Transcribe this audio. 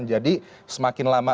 jadi semakin lama